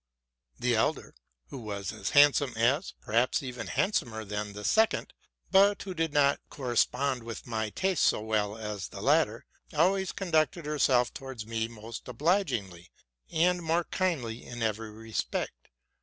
The elder, who was as handsome as, perhaps even handsomer than, the second, but who did not correspond with my taste so well as RELATING TO MY LIFE. 325 the latter, always conducted herself towards me more obli gingly, and more kindly in every respect.